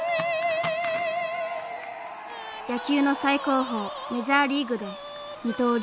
野球の最高峰メジャーリーグで二刀流